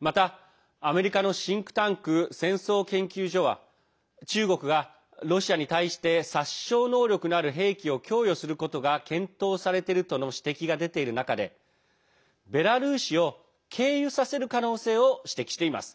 また、アメリカのシンクタンク戦争研究所は中国がロシアに対して殺傷能力のある兵器を供与することが検討されているとの指摘が出ている中でベラルーシを経由させる可能性を指摘しています。